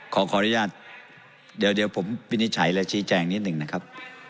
ขออนุญาตเดี๋ยวผมวินิจฉัยและชี้แจงนิดหนึ่งนะครับ